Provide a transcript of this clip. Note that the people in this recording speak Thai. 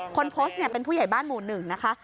คนโพสต์เป็นผู้ใหญ่บ้านหมู่หนึ่งนะคะ